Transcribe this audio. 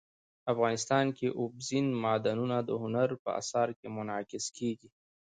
افغانستان کې اوبزین معدنونه د هنر په اثار کې منعکس کېږي.